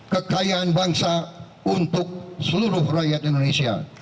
kekayaan bangsa untuk seluruh rakyat indonesia